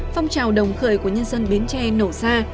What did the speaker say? phong trào đồng khởi của nhân dân bến tre nổ ra